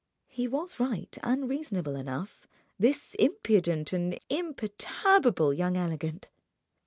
He was right and reasonable enough, this impudent and imperturbable young elegant.